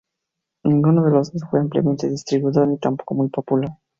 Ninguno de los dos fue ampliamente distribuido ni tampoco muy popular.